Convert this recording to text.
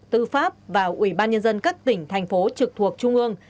tư pháp và ủy ban nhân dân các tỉnh thành phố trực thuộc trung ương